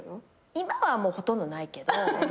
今はもうほとんどないけど。